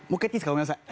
ごめんなさい。